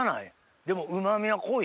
でもうま味は濃い。